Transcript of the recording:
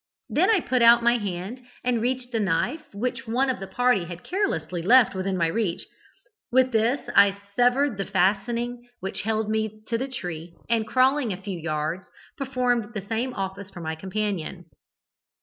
Then I put out my hand and reached a knife which one of the party had carelessly left within my reach; with this I severed the fastening which held me to the tree, and crawling a few yards, performed the same office for my companion.